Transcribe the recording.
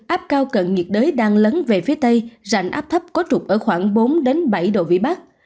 áp cao cận nhiệt đới đang lấn về phía tây rành áp thấp có trục ở khoảng bốn bảy độ vĩ bắc